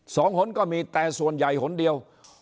สองหน่อยก็มีแต่ส่วนใหญ่หน่อย